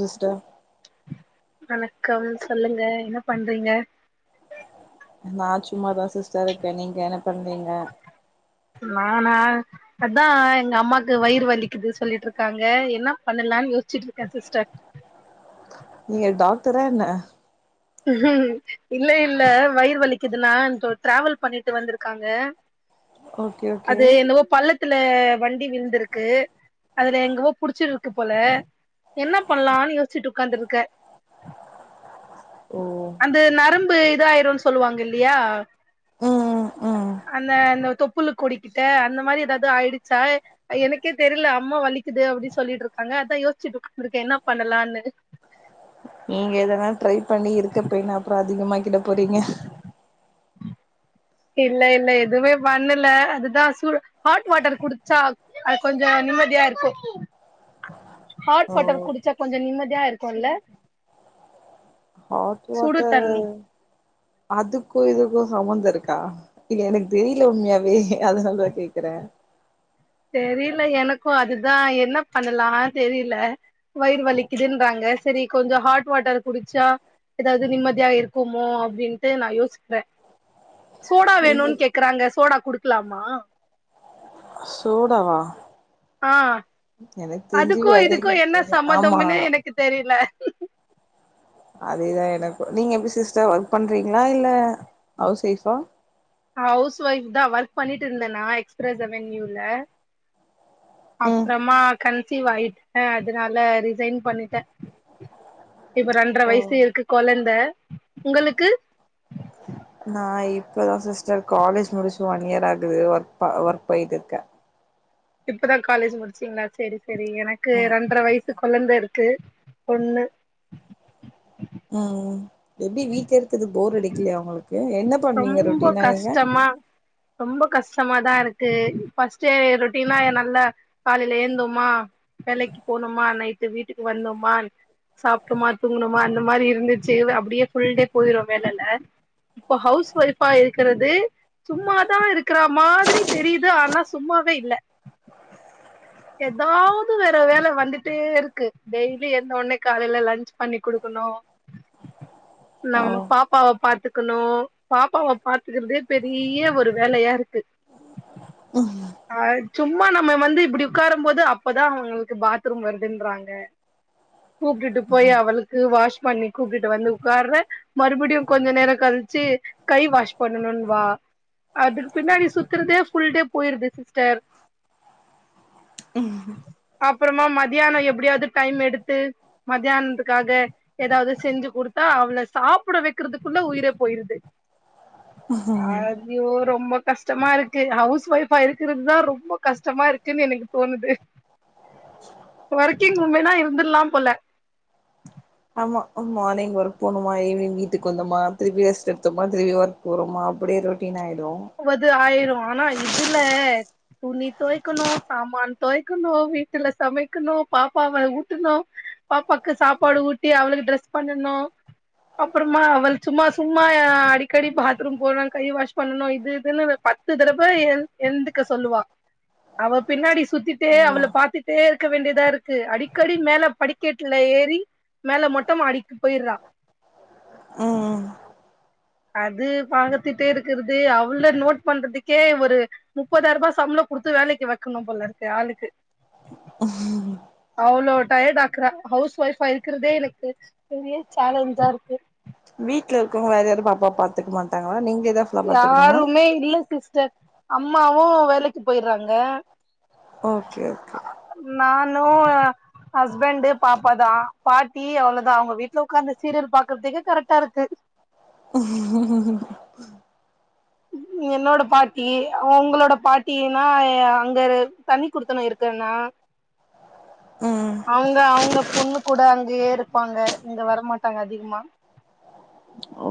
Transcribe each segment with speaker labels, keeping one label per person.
Speaker 1: Sister
Speaker 2: வணக்கம் சொல்லுங்க என்ன பண்றீங்க
Speaker 1: நா சும்மா தா சிஸ்டர் இருக்கே நீங்க என்ன பண்றீங்க
Speaker 2: நானா அதா எங்க அம்மாக்கு வயிறு வலிக்குது சொல்லிட்டு இருக்காங்க என்ன பண்ணலான்னு யோசிச்சுட்டு இருக்கே சிஸ்டர்
Speaker 1: நீங்க டாக்டரா என்ன
Speaker 2: இல்ல இல்ல வயிற் வலிக்குதுன்னா டிராவல் பண்ணிட்டு வந்திருக்காங்க
Speaker 1: ஓகே ஓகே
Speaker 2: அது என்னவோ பள்ள த்துல வண்டி விழுந்திருக்கு அதுல எங்கவோ புடிச்சிட்டு இருக்கு போல என்ன பண்ணலான்னு யோசிச்ட்டு உக்காந்துருக்கே
Speaker 1: ஓஹ்
Speaker 2: அந்த நரம்பு இதாயிருன்னு சொல்லுவாங்க இல்லையா
Speaker 1: ம் உம்
Speaker 2: அந்த அந்த தொப்புல கொடிக்கிட்ட அந்த மாதிரி எதாவ்து ஆயிடுச்சா எனக்கே தெரியல அம்மா வலிக்குது அப்டின்னு சொல்லிட்டு இருக்காங்க அதா யோசிச்ட்டு உக்காந்துருக்கே என்ன பண்ணலான்னு
Speaker 1: நீங்க எதனா ட்ரை பண்ணி இருக்கப் பெயின அப்புறோ அதிகமாகிட போறீங்க
Speaker 2: உம் இல்ல இல்ல எதுவுமே பண்ணல அதுதா ஹாட் வாட்டர் குடிச்சா அது கொஞ்சோ நிம்மதியா இருக்கு ஹாட்
Speaker 1: ஓ
Speaker 2: வாட்டர் குடிச்சா கொஞ்சோ நிம்மதியா இருக்குல்ல
Speaker 1: ஹாட்டு
Speaker 2: சுடு
Speaker 1: வாட்டர்
Speaker 2: தண்ணி
Speaker 1: அதுக்கு இதுக்கு சம்பந்தோ இருக்கா இல்ல எனக்கு தெரியல உண்மையாவே அதனாலதா கேக்குறே
Speaker 2: தெரில எனக்கு அதுதா என்ன பண்ணலா தெரியல வயிறு வலிக்குதுன்றாங்க சரி கொஞ்சோ ஹாட் வாட்டர் குடிச்சா எதாவ்து நிம்மதியா இருக்குமோ அப்டின்ட்டு நா யோசிக்றே ! ! ! ! ! ! ! ! ! ! சோடா வேணுன்னு கேக்குறாங்க சோடா குடுக்கலாமா
Speaker 1: சோடாவா
Speaker 2: ஆஹ்
Speaker 1: எனக்
Speaker 2: அதுக்கு இதுக்கு என்ன சம்மதம்னு எனக்கு தெரியல
Speaker 1: அதேதா எனக்கு நீங்க எப்டி சிஸ்டர் ஒர்க் பண்றீங்களா இல்ல ஹவுஸ் வைபா
Speaker 2: ஹவுஸ் ஒய்ஃப்தா ஒர்க் பண்ணிட்டு இருந்தேனா எக்ஸ்பிரஸ் அவன்யூல
Speaker 1: ம்
Speaker 2: அப்றமா கன்சிவ் ஆய்ட்டே அதனால ரிசைன் பண்ணிட்டே இப்ப ரெண்ர
Speaker 1: ஓ
Speaker 2: வயசு இருக்கு கொழந்த உங்களுக்கு
Speaker 1: நா இப்பதா சிஸ்டர் காலேஜ் முடிச்சு ஒன் இயர் ஆகுது ஒர்க் ஒர்க் போயிட்ருக்கே
Speaker 2: இப்பதா காலேஜ் முடிச்சிங்களா சேரி சேரி எனக்கு
Speaker 1: ஆமா
Speaker 2: ரெண்ர வயசு கொழந்த இருக்கு பொண்ணு
Speaker 1: ம் எப்டி வீட்ல இருக்கரது போர் அடிக்கலைய உங்களுக்கு என்ன பண்ணுவீங்க
Speaker 2: ரொம்ப
Speaker 1: ரொட்டினா நீங்க
Speaker 2: கஷ்டமா ரொம்ப கஷ்டமாதா இருக்கு ஃபஸ்ட்டு ரொட்டீனா நல்ல காலைல ஏந்தோமா வேலைக்கு போனோமா நைட்டு வீட்டுக்கு வந்தோமா சாப்ட்டோமா தூங்னோமா அந்த மாதிரி இருந்துச்சு அப்டியே ஃபுல் டே போயிரு வேலைல இப்ப ஹவுஸ் ஒய்பா இருக்கறது சும்மாதா இருக்கிற மாதிரி தெரியுது ஆனா சும்மாவே இல்ல ஏதாவது வேற வேல வந்துட்டேருக்கு டெய்லி எழ்ந்த உடனே காலைல லன்ச் பண்ணி குடுக்கணு
Speaker 1: ஆ
Speaker 2: நம்ம பாப்பாவ பாத்துக்கணு பாப்பாவ பாத்துக்கறதே பெரிய ஒரு வேலையாருக்கு அ சும்மா நம்ம வந்து இப்டி உக்காரும்போது அப்பதா அவங்களுக்கு வந்து பாத்ரூம் வருதுன்றாங்க கூப்ட்டுட்டு போய் அவளுக்கு வாஷ் பண்ணி கூப்ட்டு வந்து உக்கார்வே மறுபடியு கொஞ்ச நேரோ கழிச்சு கை வாஷ் பண்ணணுன்வா அதுக் பின்னாடி சுத்துறதே ஃபுல் டே போயிருது சிஸ்டர் அப்புறமா மத்யானோ எப்டியாவது டைம் எடுத்து மத்தியானத்துக்காது ஏதாவது செஞ்சு கொடுத்தா அவள சாப்ட வக்கிறதுக்குள்ள உயிரே போயிருது அய்யோ ரொம்ப கஷ்டமாருக்கு ஹவுஸ் ஒய்ஃப் இப்ப இருக்குறது தான் ரொம்ப கஷ்டமா இருக்குனு எனக்கு தோணுது ஒர்க்கிங் உமனா இருந்துர்லா போல
Speaker 1: ஆமா ஆமா மார்னிங் ஒர்க் போணுமா ஈவினிங் வீட்டுக் வந்தோமா திருப்பி ரெஸ்ட் எடுத்தோமா திருப்பி ஒர்க் போரோமா அப்டியே ரொட்டீன் ஆய்டு
Speaker 2: வது ஆயிரு ஆனா இதுல துணி துவைக்கணு சாமான் துவைக்கணு வீட்டுல சமைக்கணு பாப்பாவ ஊட்டுனு பாப்பாக்கு சாப்பாடு ஊட்டி அவளுக்கு ட்ரெஸ் பண்ணனு அப்புறமா அவள் சும்மா சும்மா அடிக்கடி பாத்ரூம் போனு கை வாஷ் பண்ணுனு அது இதுன்னு ஒரு பத்து தடவ எழுந்துக்க சொல்லுவா அவ பின்னாடி சுத்திட்டே அவள
Speaker 1: ம்
Speaker 2: பாத்துட்டே இருக்க வேண்டியதா இருக்கு அடிக்கடி மேல படிக் கெட்ல ஏறி மேல மொட்டமாடிக் போயிறா
Speaker 1: ம்
Speaker 2: அது பாத்திட்டே இருக்கறது அவள நோட் பண்றதுக்கே ஒரு முப்பதாயிரூபா சம்ளோ குடுத்து வேலக்கு வக்கணு போலருக்கு ஆளுக்கு
Speaker 1: ம்
Speaker 2: அவ்ளோ டயர்ட் ஆக்குறா ஹவுஸ் ஒய்ஃபா இருக்கறதே எனக்கு பெரிய சேலஞ்சா இருக்கு
Speaker 1: வீட்ல இருக்கவங்க வேற யாரு பாப்பாவ பாத்துக்க மாட்டாங்ளா நீங்கதா
Speaker 2: யாருமே இல்ல சிஸ்டர் அம்மாவு வேலக் போய்றாங்க
Speaker 1: ஓகே ஓகே
Speaker 2: நானு ஹஸ்பண்ட் பாப்பா தா பாட்டி அவ்ளோதா அவுங்க வீட்ல உக்காந்து சீரியல் பாக்குறதுக்கே கரெக்ட்டா இருக்கு
Speaker 1: ஹம்ம்ம்
Speaker 2: என்னோட பாட்டி அவங்ளோட பாட்டி எனாயா அங்கரு தனி குடுத்தனோ இருக்கறனா
Speaker 1: ம்
Speaker 2: அவுங்க அவுங்க பொண்ணு கூட அங்கயே இருப்பாங்க இங்க வரமாட்டாங்க அதிகமா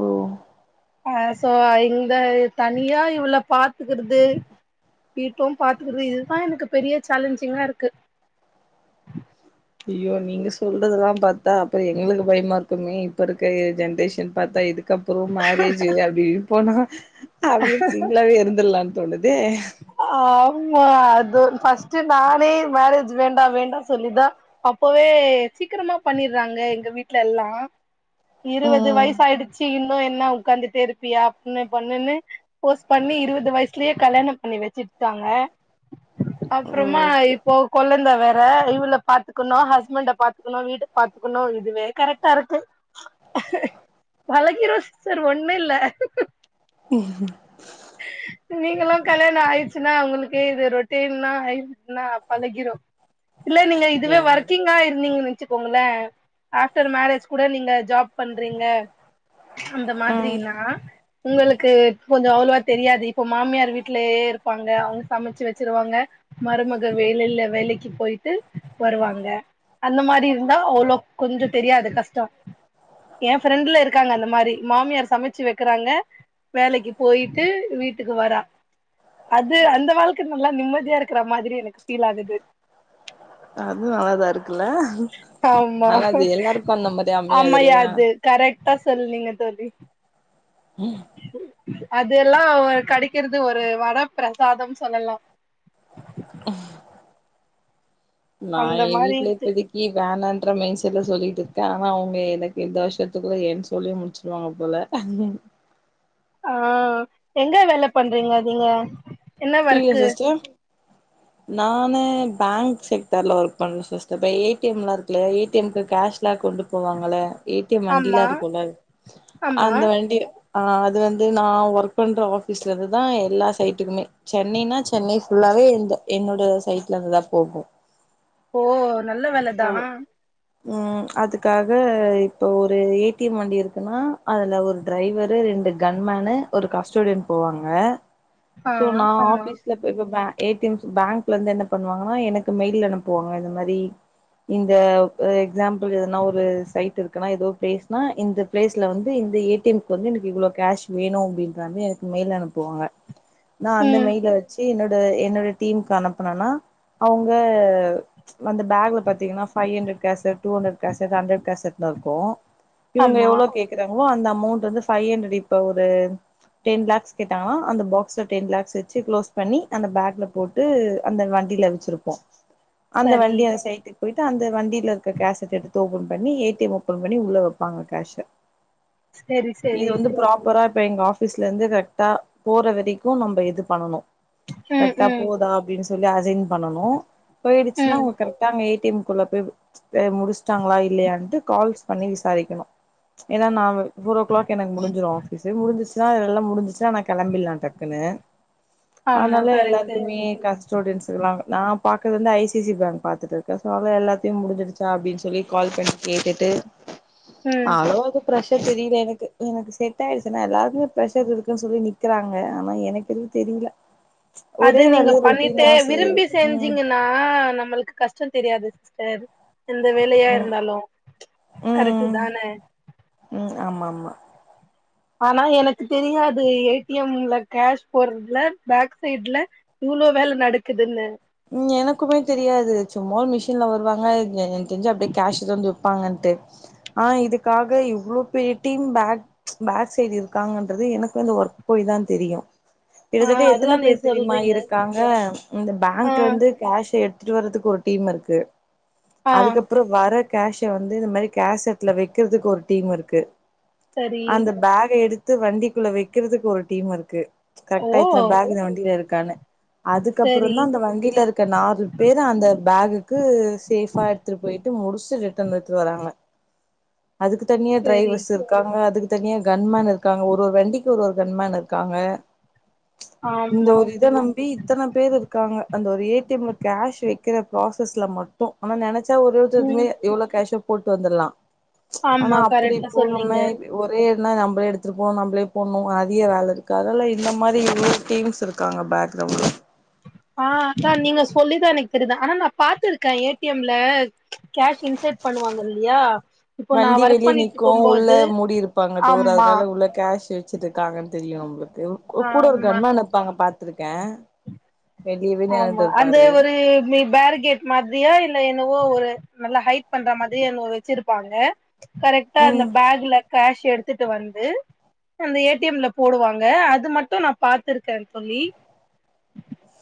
Speaker 1: ஓ
Speaker 2: ஆ சோ இந்த இத் தனியா இவள பாத்துக்கறது வீட்டு பாத்துக்கறது இதுதா எனக்கு பெரிய சேலஞ்சிங்கா இருக்கு
Speaker 1: அயோ நீங்க சொல்றதல்லா பாத்தா அப்றோ எங்களுக்கு பயமாருக்குமே இப்ப இருக்க எ ஜென்ரேஷன் பாத்தா இதுக்கப்றோ மேரேஜ் அப்டி போன அவ்ளோ சிங் ஃபுல்லாவே இருந்துர்லானு தோணுதே
Speaker 2: ஆமா அது ஃபர்ஸ்ட்டு நானே மேரேஜ் வேண்டா வேண்டா சொல்லிதா அப்பவே சீக்ரமா பண்ணிறாங்க எங்க வீட்ல எல்லா இருவது
Speaker 1: ம்
Speaker 2: வயசு ஆயிடுச்சு இன்னு என்ன உக்காந்துட்டே இருப்பியா அப்ன்னு பொண்ணுன்னு போஸ் பண்ணி இருவது வயசுலயே கல்யாணம் பண்ணி வச்சிட்டாங்க அப்புறமா
Speaker 1: ஓகே
Speaker 2: இப்போ கொழந்த வேற இவள பாத்துக்கணு ஹஸ்பண்ட்ட பாத்துக்கணு வீட்ட பாத்துக்கணு இதுவே கரெக்டா இருக்கு பழகிரு சிஸ்டர் ஒன்னு இல்ல நீங்களு கல்யாணோ ஆயிடுச்சுன்னா உங்களுக்கே இது ரொட்டின்னா ஆயிருச்சுன்னா பழகிரு இல்ல நீங்க
Speaker 1: ஏ
Speaker 2: இதுவே ஒர்க்கிங்கா இருந்தீங்கன்னு ச்சிக்கோங்கள ஆஃப்டர் மேரேஜ் கூட நீங்க ஜாப் பண்றீங்க அந்த மாதிரினா உங்களுக்கு கொஞ்சோ அவ்ளோவாத் தெரியாது இப்ப மாமியார் வீட்லயே இருப்பாங்க அவங்க சமைச்சு வச்சிருவாங்க மருமக வெளில வேலைக்கு போயிட்டு வருவாங்க அந்த மாரி இருந்தா அவ்ளோக் கொஞ்சோ தெரியாது கஷ்டோ எ ஃப்ரெண்ட்ல இருக்காங்க அந்த மாரி மாமியார் சமைச்சு வைக்கிறாங்க வேலைக்கு போயிட் டு வீட்டுக்கு வரா அது அந்த வாழ்க்க நல்லா நிம்மதியா இருக்கிற மாதிரி எனக்கு ஃபீல் ஆகுது
Speaker 1: அது அழகா ‌ இருக்குல்ல
Speaker 2: ஆமா
Speaker 1: ஆனா அது எல்லாருக்கு அந்த மாரி அமையாது
Speaker 2: ஆமா
Speaker 1: இல்லையா
Speaker 2: அது கரெக்ட்டா சொல்னீங்க தோழி
Speaker 1: ம்
Speaker 2: அது எல்லா கெடக்கிறது ஒரு வரப் ப்ரசாதம் சொல்லலா
Speaker 1: நா
Speaker 2: அந்த
Speaker 1: ஏ
Speaker 2: மாரி
Speaker 1: வீட்ல இப்போதி இ வேணான்ற மெயின் செட்ல சொல்லிட்டு இருக்க ஆனா அவங்க எனக்கு இந்த வருஷத்துக்குள்ளே என் சொல்லிய முடிச்சுடுவாங்க போல [unintelligible]
Speaker 2: ஆ எங்க வேல பண்றீங்க நீங்க என்ன
Speaker 1: புரியல
Speaker 2: ஒர்க்கு
Speaker 1: சிஸ்டர் நானு பேங்க் செக்டர்ல ஒர்க் பண்றோ சிஸ்டர் இத ஏ டி எம்லா இருக்குல்ல ஏ டி எம்க்கு கேஷ்லா கொண்டுப் போவாங்கள ஏ டி எம் வண்டிலா
Speaker 2: ஆமா
Speaker 1: இருக்குல
Speaker 2: ஆமா
Speaker 1: அந்த வண்டி ஆ அது வந்து நா ஒர்க் பண்ற ஆஃபீஸ்ல இருந்துதா எல்லா சைட்டுக்குமே சென்னைனா சென்னை ஃபுல்லாவே எந்த என்னோட சைட்ல இருந்துதா போகு
Speaker 2: ஓ நல்ல
Speaker 1: சோ
Speaker 2: வேலதா
Speaker 1: ம் அதுக்காக இப்போ ஒரு ஏ டி எம் வண்டி இருக்குன்னா அதுல ஒரு டிரைவரு ரெண்டு கன்மேன்னு ஒரு கஸ்டோடியன் போவாங்க
Speaker 2: ஆ
Speaker 1: சோ நா
Speaker 2: ஆமா
Speaker 1: ஆஃபீஸ்லப் இதுதா ஏ டி எம்ஸ் பேங்க்ல இருந்து என்ன பண்ணுவாங்கன்னா எனக்கு மெயில் அனுப்புவாங்க இந்த மாரி இந்த ஒரு எக்ஸாம்பிள் எதனா ஒரு சைட்டு இருக்குன்னா ஏதோ பிளேஸ் னா இந்த ப்ளேஸ்ல வந்து இந்த ஏ டி எம்க்கு வந்து எனக்கு இவ்ளோ கேஷ் வேணு அப்படின்றவங்க எனக்கு மெயில் அனுப்புவாங்க நா அந்த
Speaker 2: ம்
Speaker 1: மெய்ல வச்சு என்னோ ட என்னோட டீமுக்கு அனுப்புனனா அவ்ங்க வ அந்த பேக்ல பத் தீங்கனா five hundred cassette two hundred cassette hundred கேசட்தா இருக்கு இவுங்க
Speaker 2: ஆமா
Speaker 1: எவ்வளோ கேக் குறாங்ளோ அந்த அமௌண்ட் வந்து ஃபை ஹண்ட்ரட் இப்ப ஒரு டென் லாக்ஸ் கேட்டாங்களா அந்த ‌ பாக்ஸ்ல டென் லாக்ஸ் வச்சு க்ளோஸ் பண்ணி அந்த பேக்ல போட் டு அந்த வண்டியில வச்சிருப்போ அந்த
Speaker 2: சரி
Speaker 1: வண்டி அந்த சைட்டு போய்ட்டு அந்த வண்டியில இருக்க கேசட் எடுத்து ஓப்பன் பண்ணி ஏ டி எம் ஓப்பன் பண்ணி உள்ள வப்பாங்க கேஷ
Speaker 2: சரி
Speaker 1: இது
Speaker 2: சரி
Speaker 1: வந்து ப்ராப்பரா இப்ப எங்க ஆஃபீஸ்லந்து கரெக்ட்டா போற வரைக்கு நம்ப இது பண்ணனு
Speaker 2: ம்
Speaker 1: கரெக்ட்டா
Speaker 2: ம்
Speaker 1: போதா அப்டின் சொல்லி அசைன் பண்ணனு போயிடுச்சுன்னா
Speaker 2: ம்
Speaker 1: அவ்ங்க கரெக்ட்டா அங்க ஏ டி எம் குள்ள போய் அ முடிச்சிட்டாங்ளா இல்லையான்ட்டு கால்ஸ் பண்ணி விசாரிக்கணு ஏன்னா நா ஃபோர் ஓ க்ளாக் எனக்கு முடிஞ்சிரு ஆஃபீஸு முடிஞ்சுச்சுன்னா எல்லா முடிஞ் சா நா கெளம்பில்லா டக்குனு
Speaker 2: ஆமா
Speaker 1: அதனால
Speaker 2: கரெக்ட்டு
Speaker 1: எல்லார்க்குமே எ கஷ்டோடியன்ஸுக்குல்லா நா பாக்றது வந்து I C I C bank பாத்துட்டு க்க சோ எல்லாத்தையு முடிஞ்சிடுச்சா அப்டின் சொல்லி கால் பண்ணி கேட்டுட்டு
Speaker 2: ம்
Speaker 1: [unintelligible] ப்ரஷர் தெரிய்ல எனக்கு எனக்கு செட்டாயிடுச்சு ஆனா எல்லாருக்குமே ப்ரஷர் இருக்குன் சொல்லி நிக்கிறாங்க ஆனா எனக்கு எதுவு தெரில
Speaker 2: அது
Speaker 1: ஒரே வேல ரொட்டீனா செய்யற் ம்
Speaker 2: ஆ நம்மளுக்கு கஷ்டொ தெரியாது சிஸ்டர் எந்த வேலையா
Speaker 1: ம்
Speaker 2: இருந்தாலு கரெக்ட்டு
Speaker 1: ம்
Speaker 2: தான
Speaker 1: ம் ஆமா ஆமா
Speaker 2: ஆனா எனக்கு தெரியாது ஏ டி எம் ல கேஷ் போர்றதுல பேக் சைட்ல இவ்ளோ வேல நடக்குதுன்னு
Speaker 1: ம் எனக்குமே தெரியாது சும்மா ஒரு மிஷின்ல வருவாங்க தெஞ்ச அப்டியே கேஷ் வந்து வெப்பாங்கன்ட்டு ஆனா இதுக்காக இவ்ளோ பெரிய டீம் பேக் பேக் சைடு இருக்காங்கன்றது எனக்கு வந்து ஒர்க் போய் தா தெரியு
Speaker 2: ஆ
Speaker 1: கிட்டத்தட்ட எத்தன
Speaker 2: அதுதா நீ
Speaker 1: பேர் தெரியுமா
Speaker 2: சொல்றீங்க
Speaker 1: இருக்காங்க இந்த
Speaker 2: ஆ
Speaker 1: பேங்க் து கேஷ எடுத்ட்டு வர்றதுக்கு ஒரு டீம் இருக்கு
Speaker 2: ஆ
Speaker 1: அதுக்கப் அப்பறொ வர கேஷ வந்து இந்த மாரி கேஷட்ல வெக்கிறதுக்கு ஒரு டீம் இருக்கு
Speaker 2: சரி
Speaker 1: அந்த பேக எடுத்து வண்டிக்குள்ள வெக்கிறதுக்கு ஒரு டீம் இருக்கு கரெக்ட்
Speaker 2: ஓ
Speaker 1: டயத்துல பேக் இந்த வண்டில இருக்கான்னு
Speaker 2: சரி
Speaker 1: அதுக்கப்றொந்தா அந்த வண்டி ட்ல இருக்க நாலு பேர் அந்த பேக்குக்கு சேஃபா எடுத்துட்டு போய் ட்டு முடிச்டு ரிட்டன் எத்துட் வராங்க அதுக்கு தனியா
Speaker 2: சரி
Speaker 1: டிரைவர்ஸ் இரு காங்க அதுக்கு தனியா கன்மேன் இருக்காங்க ஒரு ஒரு வண்டிக்கு ஒரு ஒரு கன்மேன் இருக்காங்க இந்த
Speaker 2: ஆமா
Speaker 1: ஒரு இத நம்பி இத்தன பேருக்காங்க அந்த ஒரு ஏ டி எம்ல கேஷ் வெ க்கிற ப்ராசஸ்ல மட்டு ஆனா நெனச்சா ஒருத்தத்துமே
Speaker 2: ம்
Speaker 1: இவ்வளோ கேஷ போட்டு வந்தர்லா அனா
Speaker 2: ஆமா
Speaker 1: அப்டி
Speaker 2: கரெக்டா
Speaker 1: போகாம
Speaker 2: சொன்னீங்க
Speaker 1: ஒரே ன்னா நம்பளே எடுத்துட்டு போனு நம்பளே போன்னு அதிக வேலருக்கு அதெல்ல இந்த மாரி இவ்வளோ டீம்ஸ் இருக் க்காங்க பேக்ரௌண்ட்ல
Speaker 2: ஆ அதா நீங்க சொல்லிதா எனக்கு தெரிது ஆனா நா பா்த்துருக்க ஏ டி எம் ல கேஷ் இன்சட் பண்ணுவாங்க இல்லியா
Speaker 1: வண்டி வெளிய நிக்கு உள்ள மூடி இருப்பாங்க டோர
Speaker 2: ஆமா
Speaker 1: அதுனால உள்ள கேஷு சிட்ருக்காங்கன் தெரியு நம்ப்ளுக்கு கு கூட ஒரு
Speaker 2: ஆமா
Speaker 1: கன் மேன் இருப்பாங்க பாத்துருக்க
Speaker 2: ஆமா அந்த ஒரு மி பேரிகேட் மாத்ரியா இல்ல என்னவோ ஒரு நல்லா ஹைட் பண்ற மாதிரியா என்னவோ வச்சிருப்பாங்க கரெக்ட்டா அந்த
Speaker 1: ம்
Speaker 2: பேக்ல கேஷ் எடுத் துட்டு வந்து அந்த ஏ டி எம் ல போடுவாங்க அது மட்டு நா பா்த்துருக்க தோழி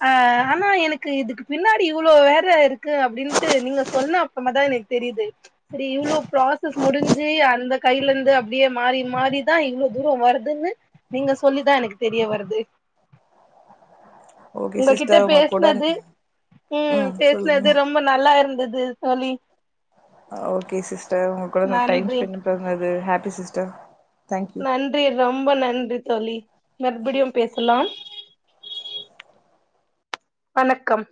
Speaker 2: ஆ ஆனா எனக்கு இதுக்கு பின்னாடி இவ்ளோ வேற இருக்கு அப்டின்ட்டு நீங்க சொன்ன அப் சும்மாதா எனக் தெரியுது இப்டி இவ்ளோ ப்ராசஸ் முடிஞ்சு அந்த கைலந்து அப்டியே மாறி மாறிதா இவ்வள தூரம் வருதுன்னு நீங்க சொல்லி தா எனக் தெரிய வர்து
Speaker 1: ஓகே
Speaker 2: உங்க கிட்ட
Speaker 1: சிஸ்டர் உங்க கூட
Speaker 2: பேஸனது ம் பேஸ்னது ரொம்ப நல்லா இருந்துது தோழி
Speaker 1: ஓக்கே சிஸ்டர் உங்க கூட நா டைம்
Speaker 2: நன்றி
Speaker 1: ஸ்பென்ட் பண்ணது ஹேப்பி சிஸ்டர் தேங்க்யூ
Speaker 2: நன்றி ரொம்ப நன்றி தோழி மறுபுடியு பேசலாம் வணக்கம்